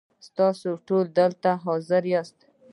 ستاسو ټول دلته حاضر یاست .